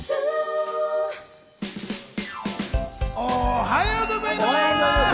おはようございます！